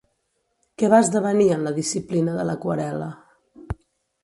Què va esdevenir en la disciplina de l'aquarel·la?